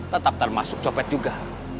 tetap termasuk copet juga